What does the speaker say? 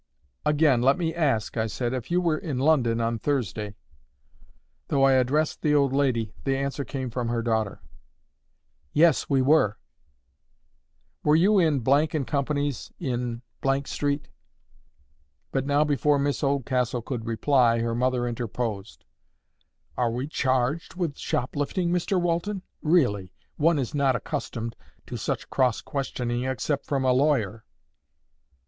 "Again let me ask," I said, "if you were in London on Thursday." Though I addressed the old lady, the answer came from her daughter. "Yes, we were." "Were you in— & Co.'s, in— Street?" But now before Miss Oldcastle could reply, her mother interposed. "Are we charged with shoplifting, Mr Walton? Really, one is not accustomed to such cross questioning—except from a lawyer."